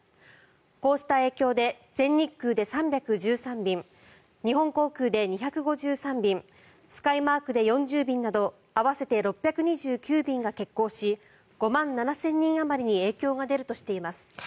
こうした影響で全日空で３１３便日本航空で２５３便スカイマークで４０便など合わせて６２９便が欠航し５万７０００人あまりに影響が出るとしています。